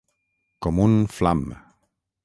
Com un flam.